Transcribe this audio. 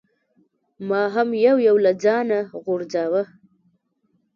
ما هم یو یو له ځانه غورځاوه.